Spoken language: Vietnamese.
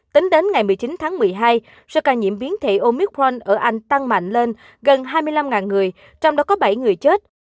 tính đến ngày một mươi chín tháng một mươi hai số ca nhiễm biến thể omic frand ở anh tăng mạnh lên gần hai mươi năm người trong đó có bảy người chết